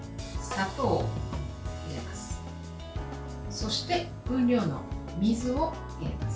そして、分量のお水を入れます。